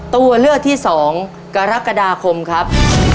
ตัวเลือกที่๒กรกฎาคมครับ